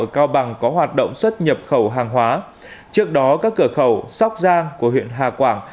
cao bằng có hoạt động xuất nhập khẩu hàng hóa trước đó các cửa khẩu sóc giang của huyện hà quảng